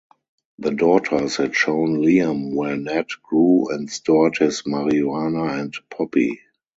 The daughters had shown Liam where Ned grew and stored his marijuana and poppy.